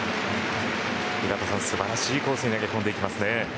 井端さん、素晴らしいコースに投げ込んでいきますね。